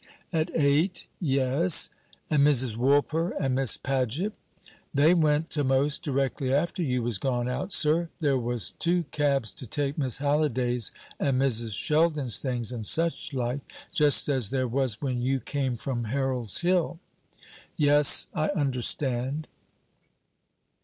"At eight. Yes. And Mrs. Woolper and Miss Paget?" "They went a'most directly after you was gone out, sir. There was two cabs to take Miss Halliday's and Mrs. Sheldon's things, and such like, just as there was when you came from Harold's Hill." "Yes; I understand."